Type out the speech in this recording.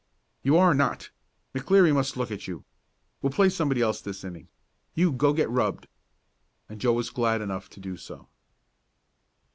"You are not! McLeary must look at you. We'll play somebody else this inning. You go get rubbed." And Joe was glad enough to do so.